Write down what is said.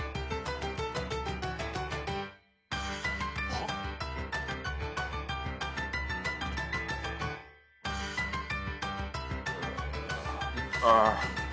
はっ？ああ。